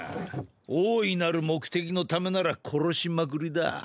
大いなる目的のためなら殺しまくりだ。